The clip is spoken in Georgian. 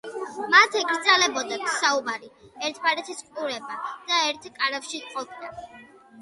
მათ ეკრძალებოდათ საუბარი, ერთმანეთის ყურება და ერთ კარავში ყოფნა.